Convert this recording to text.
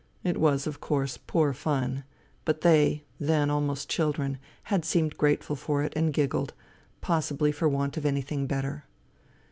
It was, of course, poor fun, but they, then almost children, had seemed grateful for it and giggled, possibly for want of anything better.